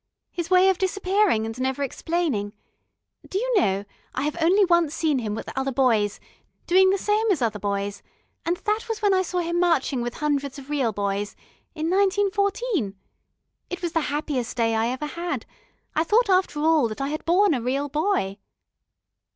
His way of disappearing and never explaining.... Do you know, I have only once seen him with other boys, doing the same as other boys, and that was when I saw him marching with hundreds of real boys ... in 1914.... It was the happiest day I ever had, I thought after all that I had borne a real boy.